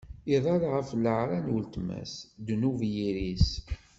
Iḍall ɣef leɛra n weltma-s: ddnub i yiri-s.